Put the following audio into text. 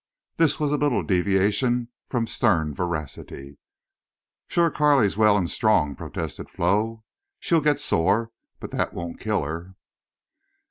This was a little deviation from stern veracity. "Shore Carley's well and strong," protested Flo. "She'll get sore, but that won't kill her."